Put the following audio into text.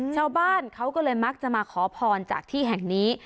ชาวบ้านเขาก็เลยมักจะมาขอพรจากที่แห่งนี้